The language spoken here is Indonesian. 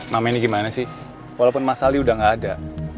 mama ini gimana sih walaupun mas ali udah gak ada